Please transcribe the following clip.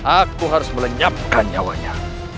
aku harus melenyapkan nyawanya